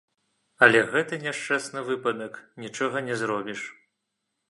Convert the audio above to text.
Але гэта няшчасны выпадак, нічога не зробіш.